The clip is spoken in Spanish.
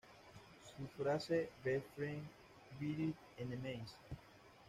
Su frase ""Best friends...Better enemies"".